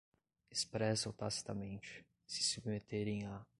expressa ou tacitamente, se submeterem à